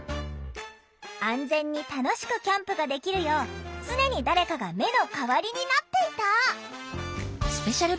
安全に楽しくキャンプができるよう常に誰かが目の代わりになっていた。